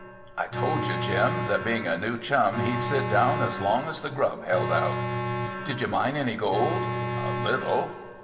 "I told you Jim, that being a new chum he'd sit down as long as the grub held out." "Did you mine any gold?" "A little."